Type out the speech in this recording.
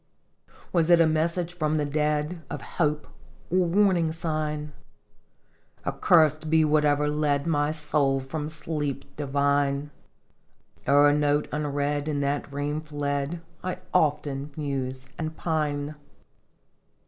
Was it a message from the dead, Of hope, or warning sign ? Accursed be whatever led My soul from sleep divine ! O'er note unread in that dream fled I often muse and pine